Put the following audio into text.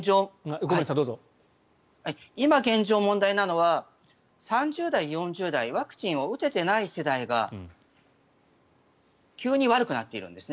今、現状、問題なのは３０代、４０代ワクチンを打ててない世代が急に悪くなっているんです。